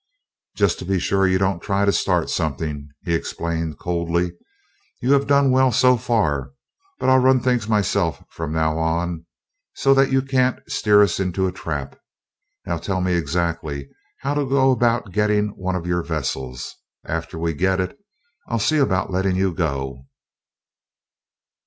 "Just to be sure you don't try to start something," he explained coldly. "You have done well so far, but I'll run things myself from now on, so that you can't steer us into a trap. Now tell me exactly how to go about getting one of your vessels. After we get it, I'll see about letting you go."